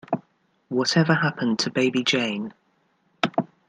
What Ever Happened to Baby Jane?